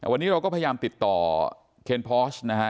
วันนี้เราก็พยายามติดต่อเคนพอสนะฮะ